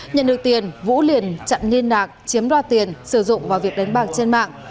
nhận được tiền vũ liền chặn liên lạc chiếm đoạt tiền sử dụng vào việc đánh bạc trên mạng